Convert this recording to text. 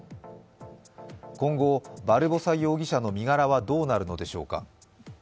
今後、バルボサ容疑者の身柄はどうなるのでしょうか。